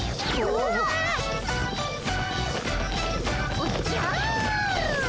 おっじゃる！